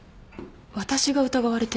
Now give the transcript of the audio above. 私が疑われてるの？